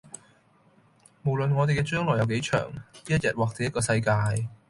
無論我哋嘅將來有幾長，一日或者一個世界